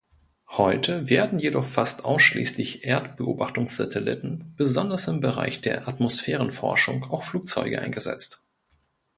Heute werden jedoch fast ausschließlich Erdbeobachtungssatelliten, besonders im Bereich der Atmosphärenforschung auch Flugzeuge eingesetzt.